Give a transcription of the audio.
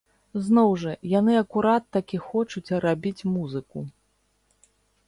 Зноў жа, яны акурат такі хочуць рабіць музыку.